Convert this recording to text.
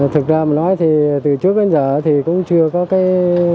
thực ra mà nói thì từ trước đến giờ thì cũng chưa có cái